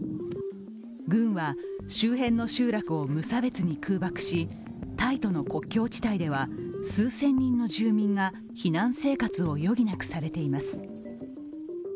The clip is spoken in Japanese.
軍は周辺の集落を無差別に空爆しタイとの国境地帯では数千人の住民が避難生活を余儀なくされています。